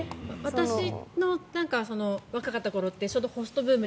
私の若かった頃ってちょうどホストブーム